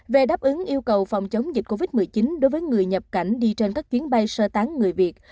về đáp ứng yêu cầu phòng chống dịch covid một mươi chín đối với người nhập cảnh đi trên các chuyến bay sơ tán người việt